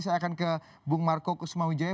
saya akan ke bang marko kusmawinjaya